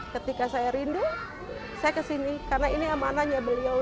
ketika saya rindu saya kesini karena ini amanahnya beliau